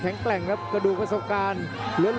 แข็งแกร่งครับกระดูกประสบการณ์